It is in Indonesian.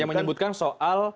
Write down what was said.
yang menyebutkan soal